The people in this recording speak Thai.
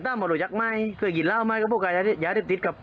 ต่างมาหลุยจักรไหมเคยกินราวไหมกับพวกยาเรียบทิศกับ